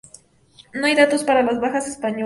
No hay datos para las bajas españolas.